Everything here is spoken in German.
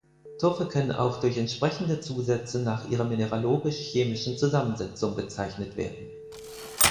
Tuffe können auch durch entsprechende Zusätze nach ihrer mineralogisch-chemischen Zusammensetzung bezeichnet werden.